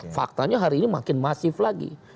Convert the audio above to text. faktanya hari ini makin masif lagi